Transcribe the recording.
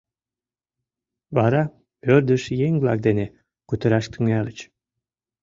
Вара ӧрдыж еҥ-влак дене кутыраш тӱҥальыч.